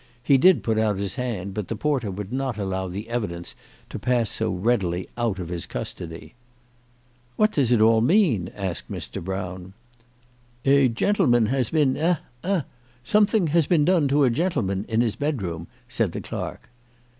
He did put out his hand, but the porter would not allow the evidence to pass so readily out of his custody. " "What does it all mean ?" asked Mr. Brown. "A gentleman has been eh eh . Something has been done to a gentleman in his bedroom," said the clerk.